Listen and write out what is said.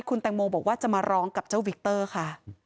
คุณแตงโมบอกว่าจะมาร้องกับเจ้าวิกเตอร์ค่ะ